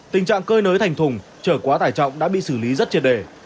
tình trạng cơi nới thành thùng trở quá tải trọng đã bị xử lý rất triệt đề